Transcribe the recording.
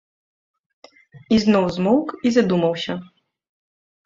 І зноў змоўк і задумаўся.